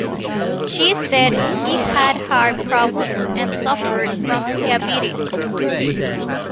She said he had heart problems and suffered from diabetes.